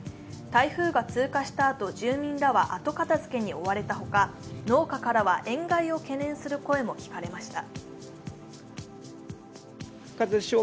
台風が通過した後、住民らは後片づけに追われたほか、農家からは塩害を懸念する声も聞かれました。